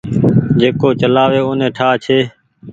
جيڪو چلآوي اوني ٺآ ڇي۔